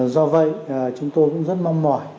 do vậy chúng tôi cũng rất mong mỏi